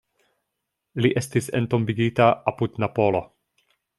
Li estis entombigita apud Napolo.